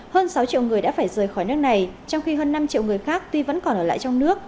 hơn sáu triệu người đã phải rời khỏi nước này trong khi hơn năm triệu người khác tuy vẫn còn ở lại trong nước